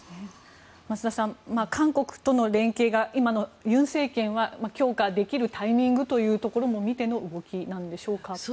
増田さん、韓国との連携が今の尹政権は強化できるタイミングというところも見ての動きなんでしょうか。